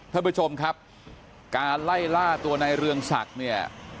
ท่านผู้ชมครับการไล่ล่าตัวในเรืองศักดิ์เนี่ย